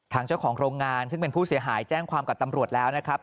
เจ้าของโรงงานซึ่งเป็นผู้เสียหายแจ้งความกับตำรวจแล้วนะครับ